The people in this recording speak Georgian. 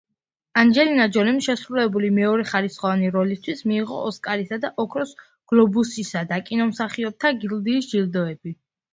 ანჯელინა ჯოლიმ შესრულებული მეორეხარისხოვანი როლისთვის მიიღო ოსკარისა და ოქროს გლობუსისა და კინომსახიობთა გილდიის ჯილდოები.